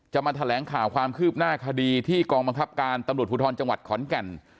มาแถลงข่าวความคืบหน้าคดีที่กองบังคับการตำรวจภูทรจังหวัดขอนแก่น